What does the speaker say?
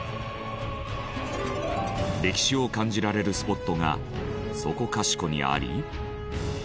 歴史を感じられるスポットがそこかしこにあり。